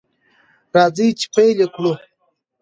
راځئ چې پیل یې کړو.